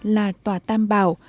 là tòa tam bảo